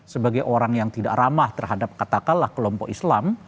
sebagai orang yang tidak ramah terhadap katakanlah kelompok islam